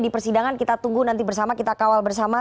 di persidangan kita tunggu nanti bersama kita kawal bersama